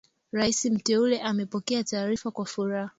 Rais Mteule amepokea taarifa kwa furaha